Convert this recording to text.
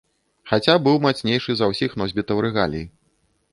Хаця быў мацнейшы за ўсіх носьбітаў рэгалій.